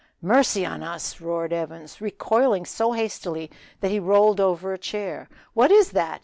"Mercy on us," roared Evans, recoiling so hastily that he rolled over a chair, "what is that?"